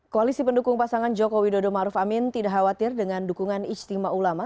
koalisi pendukung pasangan jokowi dodo maruf amin tidak khawatir dengan dukungan istimewa ulama